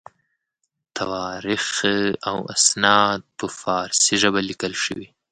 تواریخ او اسناد په فارسي ژبه لیکل شوي.